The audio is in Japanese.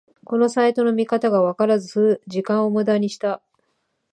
このサイトの見方がわからず時間をムダにした